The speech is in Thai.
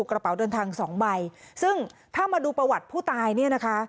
กระเป๋าเดินทางสองใบซึ่งถ้ามาดูประวัติผู้ตายเนี่ยนะคะ